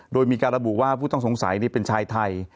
โดยมีการระบุว่าผู้ต้องสงสัยเป็นชายไทย